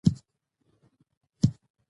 اې زما وطنه د لالونو خزانې زما